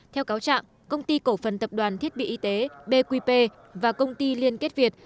theo cáo trạng công ty cổ phần tập đoàn thiết bị y tế bqp và công ty liên kết việt